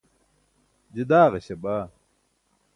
je daaġaśa baa